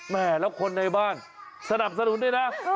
แม่แล้วคนในบ้านสนับสนุนด้วยนะ